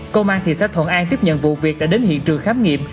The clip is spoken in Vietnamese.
công an thì xác thuận an tiếp nhận vụ việc đã đến hiện trường khám nghiệm